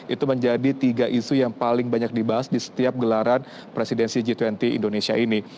itu menjadi tiga isu yang paling banyak dibahas di setiap gelaran presidensi g dua puluh indonesia ini